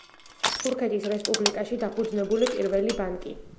თურქეთის რესპუბლიკაში დაფუძნებული პირველი ბანკი.